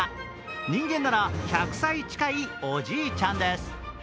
人間なら１００歳近いおじいちゃんです。